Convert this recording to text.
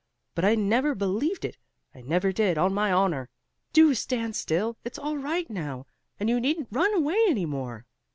But I never believed it; I never did, on my honor. Do stand still; it's all right now, and you needn't run away any more."